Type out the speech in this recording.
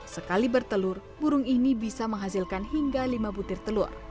sekali bertelur burung ini bisa menghasilkan hingga lima butir telur